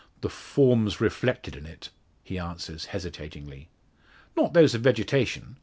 "The forms reflected in it," he answers hesitatingly. "Not those of vegetation!